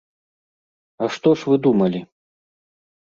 А што ж вы думалі?